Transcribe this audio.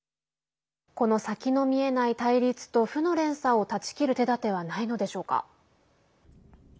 この先の見えない対立と負の連鎖を断ち切る手だてはないのでしょうか。